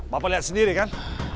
bapak lihat sendiri kan